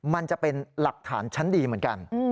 มันจะเป็นหลักฐานชั้นดีเหมือนกัน